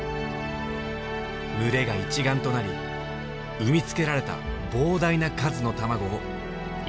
群れが一丸となり産み付けられた膨大な数の卵を一気に受精させる。